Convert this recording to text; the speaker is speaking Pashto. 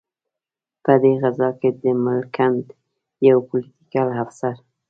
په دې غزا کې د ملکنډ یو پلوټیکل افسر.